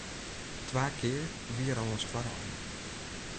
Twa kear wie er al as twadde einige.